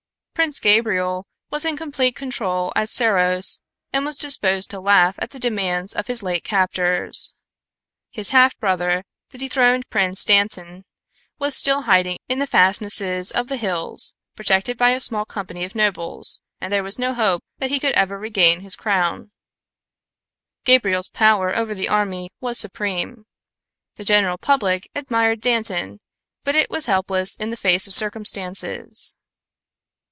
Prince Gabriel was in complete control at Serros and was disposed to laugh at the demands of his late captors. His half brother, the dethroned Prince Dantan, was still hiding in the fastnesses of the hills, protected by a small company of nobles, and there was no hope that he ever could regain his crown. Gabriel's power over the army was supreme. The general public admired Dantan, but it was helpless in the face of circumstances.